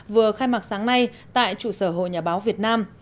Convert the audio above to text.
vừa khai mạc sáng nay tại trụ sở hội nhà báo việt nam